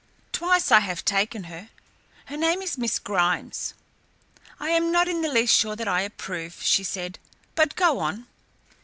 Twice I have taken her. Her name is Miss Grimes." "I am not in the least sure that I approve," she said, "but go on."